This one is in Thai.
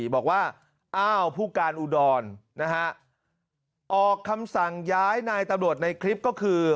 บอกว่าอ้าวผู้การอุดรนะฮะออกคำสั่งย้ายนายตำรวจในคลิปก็คือ